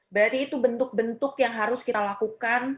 berarti itu bentuk bentuk yang harus kita lakukan